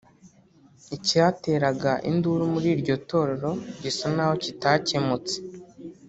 Icyateraga induru muri iryo torero gisa n’aho kitakemutse